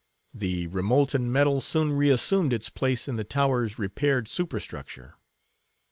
The remolten metal soon reassumed its place in the tower's repaired superstructure.